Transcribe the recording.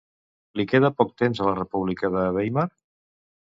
Li queda poc temps a la República de Weimar?